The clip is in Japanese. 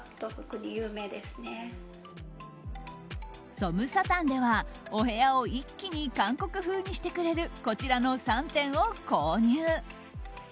ソムサタンでは、お部屋を一気に韓国風にしてくれるこちらの３点を購入。